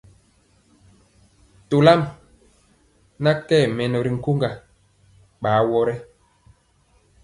Tolam na nkye mɛnɔ ri nkoŋga ɓa awɔ rɛ.